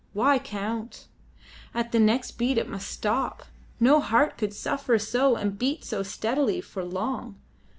Why count? At the next beat it must stop. No heart could suffer so and beat so steadily for long.